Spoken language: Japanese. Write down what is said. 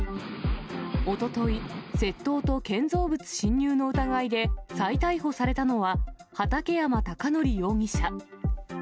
おととい、窃盗と建造物侵入の疑いで、再逮捕されたのは、畠山貴哲容疑者。